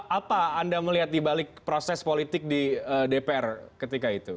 apa anda melihat dibalik proses politik di dpr ketika itu